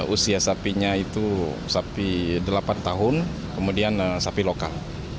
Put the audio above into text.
usia sapinya itu sapi delapan tahun kemudian sapi lokal